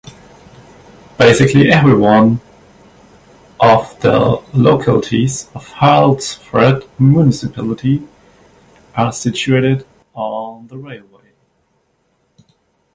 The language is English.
Basically every one of the localities of Hultsfred Municipality are situated on the railway.